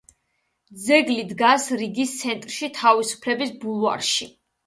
ძეგლი დგას რიგის ცენტრში თავისუფლების ბულვარში.